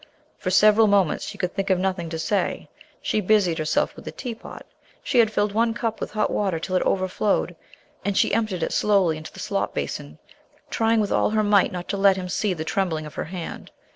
For several moments she could think of nothing to say. She busied herself with the teapot. She had filled one cup with hot water till it overflowed, and she emptied it slowly into the slop basin, trying with all her might not to let him see the trembling of her hand.